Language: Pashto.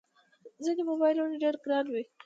ځینې موبایلونه ډېر ګران وي.